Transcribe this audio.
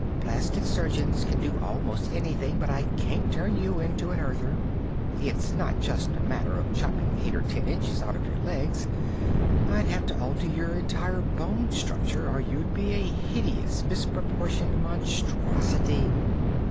"Plastic surgeons can do almost anything, but I can't turn you into an Earther. It's not just a matter of chopping eight or ten inches out of your legs; I'd have to alter your entire bone structure or you'd be a hideous misproportioned monstrosity.